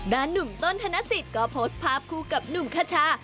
หนุ่มต้นธนสิทธิ์ก็โพสต์ภาพคู่กับหนุ่มคชา